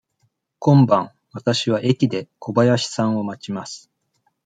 今晩、わたしは駅で小林さんを待ちます。